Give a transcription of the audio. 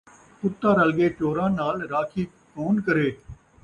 کتا رل ڳئے چوراں نال ، راکھی کون کرے